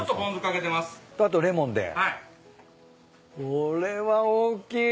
これは大きい。